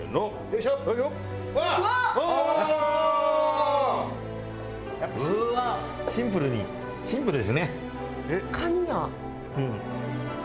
シンプルにシンプルですね。